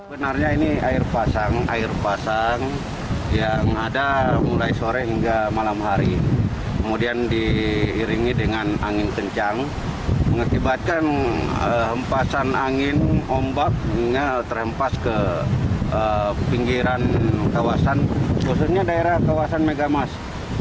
ombak yang terhempas ke pinggiran kawasan khususnya daerah kawasan megamas